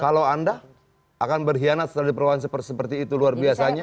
kalau anda akan berkhianat setelah diperlawan seperti itu luar biasanya